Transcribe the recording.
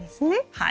はい。